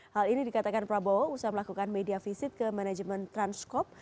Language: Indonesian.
hal ini dikatakan prabowo usaha melakukan media visit ke manajemen transkop